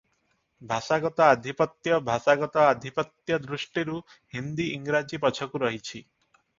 ଭାଷାଗତ ଆଧିପତ୍ୟ ଭାଷାଗତ ଆଧିପତ୍ୟ ଦୃଷ୍ଟିରୁ ହିନ୍ଦୀ ଇଂରାଜୀ ପଛକୁ ରହିଛି ।